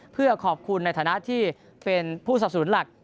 เพื่อขอบคุณในฐานะที่เป็นผู้สับสนุนหลัก